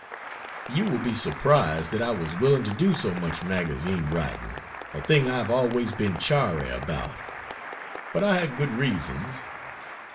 You will be surprised that I was willing to do so much magazine writing a thing I have always been chary about but I had good reasons.